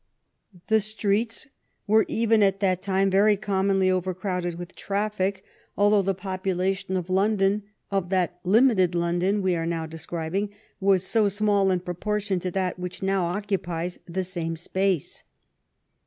The streets were even at that time very commonly overcrowded with trafiic, although the population of London, of that limited London we are now describing, was so small in proportion to that which now occupies the same space.